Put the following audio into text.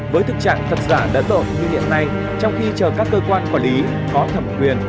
với thực trạng thật giả đã lộn như hiện nay trong khi chờ các cơ quan quản lý có thẩm quyền